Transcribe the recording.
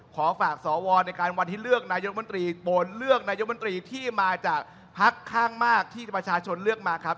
ขอฝากสวในการวันที่เลือกนายกมนตรีโอนเลือกนายกมนตรีที่มาจากพักข้างมากที่ประชาชนเลือกมาครับ